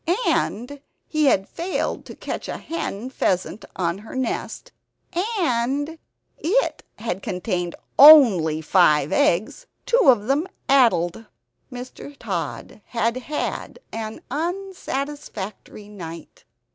And he had failed to catch a hen pheasant on her nest; and it had contained only five eggs, two of them addled. Mr. Tod had had an unsatisfactory night.